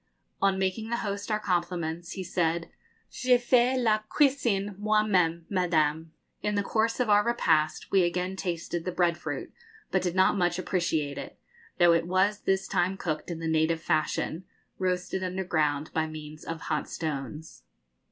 On making the host our compliments, he said, 'Je fais la cuisine moi même, Madame.' In the course of our repast we again tasted the bread fruit, but did not much appreciate it, though it was this time cooked in the native fashion roasted underground by means of hot stones.